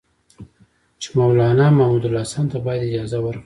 چې مولنا محمودالحسن ته باید اجازه ورکړل شي.